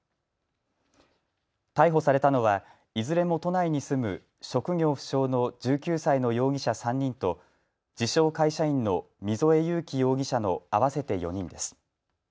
逮捕されたのは、いずれも都内に住む職業不詳の１９歳の容疑者３人と自称会社員の溝江悠樹容疑者の合わせて４人です。